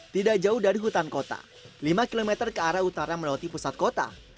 tidak jauh dari hutan kota lima km ke arah utara melewati pusat kota